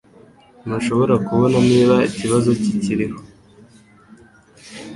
Ntushobora kubona niba ikibazo kikiriho